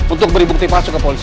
untuk beri bukti palsu ke polisi